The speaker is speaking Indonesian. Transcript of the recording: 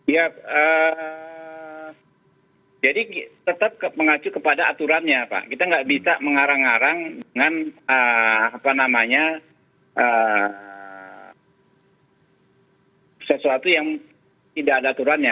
ya jadi tetap mengacu kepada aturannya pak kita nggak bisa mengarang arang dengan apa namanya sesuatu yang tidak ada aturannya